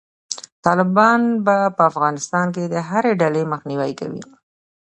طالبان به په افغانستان کې د هري ډلې مخنیوی کوي.